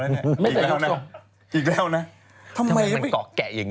เมื่อกี้เปิดให้ดูไปตอนต้นรายการไง